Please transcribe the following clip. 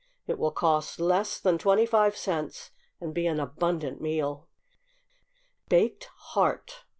It will cost less than twenty five cents, and be an abundant meal. =Baked Heart.